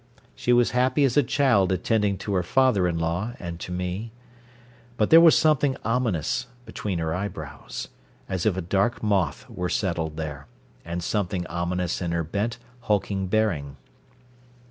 She was happy as a child attending to her father in law and to me. But there was something ominous between her eyebrows, as if a dark moth were settled there and something ominous in her bent, hulking bearing.